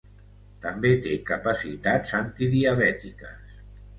També té capacitats antidiabètiques.